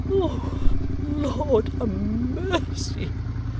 'Oh Lord ha' mercy!